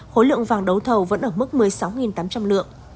khối lượng vàng đấu thầu vẫn ở mức một mươi sáu tám trăm linh lượng